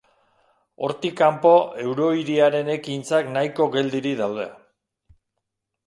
Hortik kanpo, eurohiriaren ekintzak nahiko geldirik daude.